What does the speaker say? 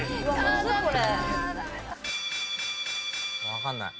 わかんない。